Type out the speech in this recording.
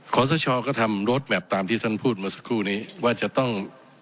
ขอสชก็ทำรถแมพตามที่ท่านพูดเมื่อสักครู่นี้ว่าจะต้อง